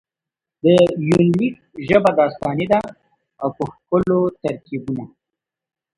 د يونليک ژبه داستاني ده او په ښکلو ترکيبونه.